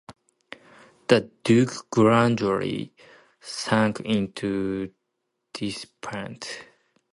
The Duke gradually sank into dissipation.